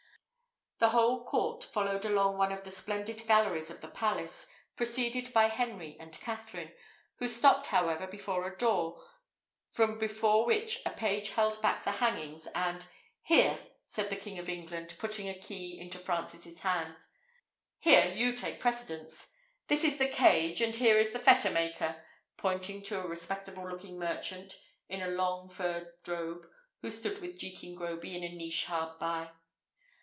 The whole court followed along one of the splendid galleries of the palace, preceded by Henry and Katherine, who stopped, however, before a door, from before which a page held back the hangings, and "Here," said the King of England, putting a key into Francis's hand, "here you take precedence. This is the cage, and here is the fetter maker," pointing to a respectable looking merchant in a long furred robe who stood with Jekin Groby in a niche hard by.